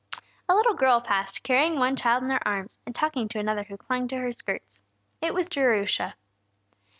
A little girl passed, carrying one child in her arms, and talking to another who clung to her skirts. It was Jerusha.